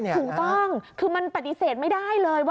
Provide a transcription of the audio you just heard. ถูกต้องคือมันปฏิเสธไม่ได้เลยว่า